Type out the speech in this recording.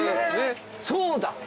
えそうだ。